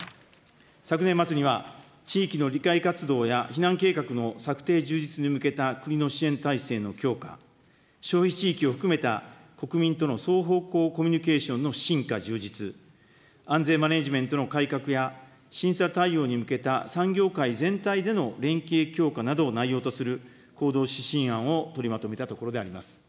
昨年末には、地域の理解活動や避難計画の策定充実に向けた国の支援体制の強化、消費地域を含めた国民との双方向コミュニケーションの深化、充実、安全マネージメントの改革や、審査対応に向けた産業界全体での連携強化などを内容とする行動指針案を取りまとめたところであります。